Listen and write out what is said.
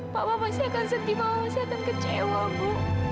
papa pasti akan sedih papa pasti akan kecewa bu